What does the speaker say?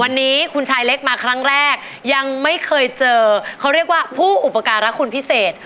วันนี้คุณชายเล็กมาครั้งแรกยังไม่เคยเจอเขาเรียกว่าผู้อุปการรักคุณพิเศษ